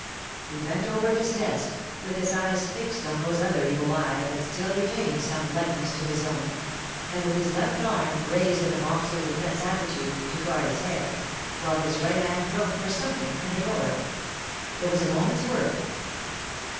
He bent over his desk, with his eyes fixed on those other evil eyes that still retained some likeness to his own, and with his left arm raised in a boxer's defensive attitude, to guard his head, while his right hand groped for something in a drawer. It was a moment's work.